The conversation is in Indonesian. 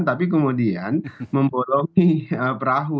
tapi kemudian membolongi perahu